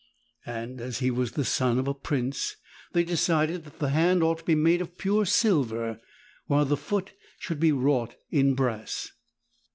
And as he was the son of a prince they decided that the hand ought to be made of pure silver, while the foot should be wrought in brass.